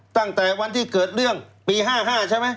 ตั้งแต่วันที่เกิดเรื่องปี๕๕ใช่ไหม